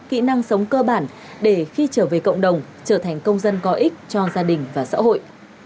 kỹ năng sống cơ bản để khi trở về cộng đồng trở thành công dân có ích cho gia đình và xã hội